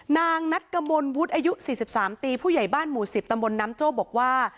นางนัสกรมลวุฒิอายุสี่สิบสามตีผู้ใหญ่บ้านหมู่สิบตมน้ำโจ้บอกว่า